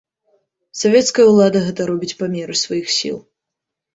Савецкая ўлада гэта робіць па меры сваіх сіл.